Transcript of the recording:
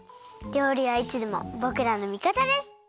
りょうりはいつでもぼくらのみかたです。